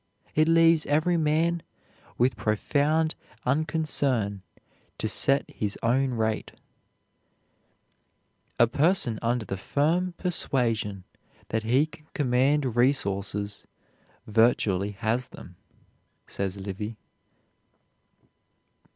It leaves every man with profound unconcern to set his own rate." "A person under the firm persuasion that he can command resources virtually has them," says Livy.